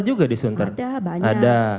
juga di sunter ada banyak ada